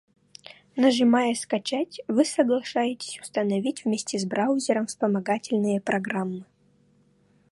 Нажимая "Скачать", вы соглашаетесь установить вместе с браузером вспомогательные программы.